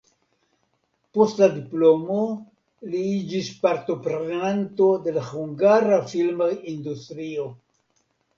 Post la diplomo li iĝis partoprenanto de la hungara filma industrio.